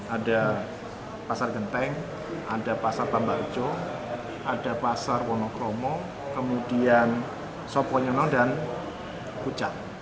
ada pasar genteng ada pasar tambak rejo ada pasar wonokromo kemudian soponyono dan pucat